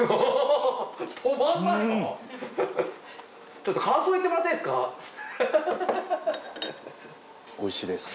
ちょっと感想言ってもらっていいですか？